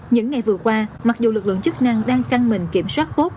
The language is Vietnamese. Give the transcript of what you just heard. những ngày vừa qua mặc dù lực lượng chức năng đang căng mình kiểm soát tốt